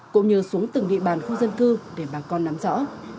cũng như xuống từng địa bàn khu dân cư để bà con nắm rõ